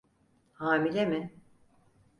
Hamile mi?